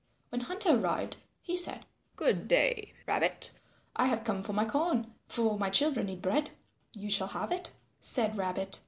When Hunter arrived he said, "Good day, Rabbit, I have come for my corn, for my children need bread." "You shall have it," said Rabbit.